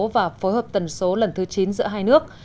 và phối hợp tần số lần thứ chín giữa hai nước